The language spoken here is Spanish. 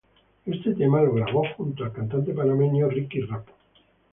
Este tema lo grabó junto al cantante panameño Ricky Rap.